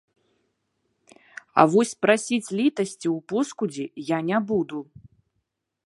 А вось прасіць літасці ў поскудзі я не буду.